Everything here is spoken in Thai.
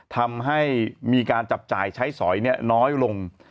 ทำให้มีการจับจ่ายใช้สอยน้อยลง